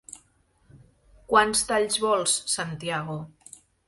Quants talls vols, Santiago?